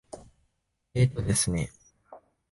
えーとですね。